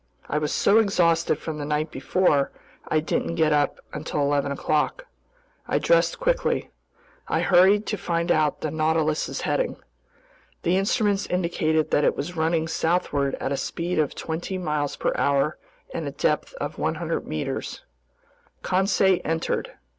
I was so exhausted from the night before, I didn't get up until eleven o'clock. I dressed quickly. I hurried to find out the Nautilus's heading. The instruments indicated that it was running southward at a speed of twenty miles per hour and a depth of 100 meters. Conseil entered.